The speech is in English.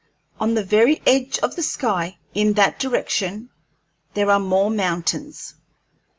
On the very edge of the sky, in that direction, there are more mountains.